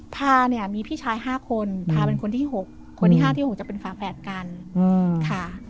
พาเนี่ยมีพี่ชาย๕คนพาเป็นคนที่๖คนที่๕ที่๖จะเป็นฝาแฝดกันค่ะ